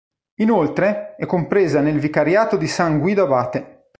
Inoltre, è compresa nel vicariato di San Guido Abate.